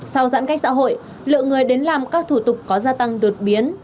sau giãn cách xã hội lượng người đến làm các thủ tục có gia tăng đột biến